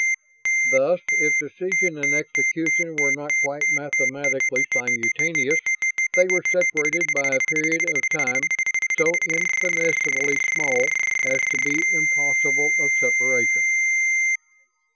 Thus, if decision and execution were not quite mathematically simultaneous, they were separated by a period of time so infinitesimally small as to be impossible of separation.